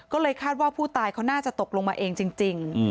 ก็เลยคาดว่าผู้ตายเขาน่าจะตกลงมาเองจริง